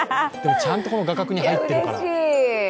ちゃんと画角に入ってるから。